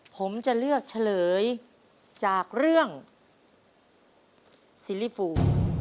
ผมจะเลือกเฉลยจากเรื่องซีรีสู